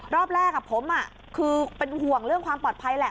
รอบแรกผมคือเป็นห่วงเรื่องความปลอดภัยแหละ